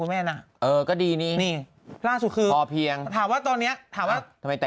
คุณแม่ก็ต้องเงียบง่ายนึงตามใจเมียฮะ